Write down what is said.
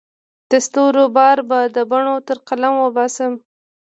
د ستورو بار به د بڼو تر قلم وباسمه